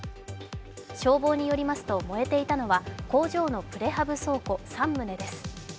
消防によりますと、燃えていたのは工場のプレハブ倉庫３棟です。